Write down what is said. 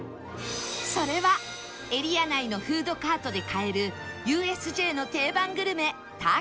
それはエリア内のフードカートで買える ＵＳＪ の定番グルメターキーレッグ